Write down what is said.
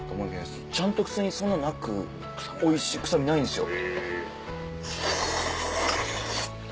ちゃんと普通にそんななくおいしい臭みないんですよ。